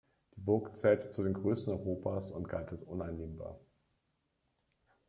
Die Burg zählte zu den größten Europas und galt als uneinnehmbar.